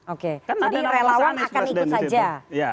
oke tadi relawan akan ikut saja